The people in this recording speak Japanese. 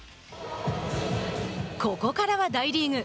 ここからは大リーグ。